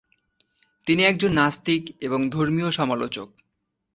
তিনি একজন নাস্তিক এবং ধর্মীয় সমালোচক।